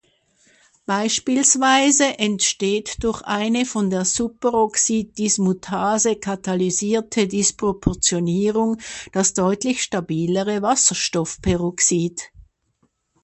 Beispielsweise entsteht durch eine von der Superoxid-Dismutase katalysierte Disproportionierung das deutlich stabilere Wasserstoffperoxid.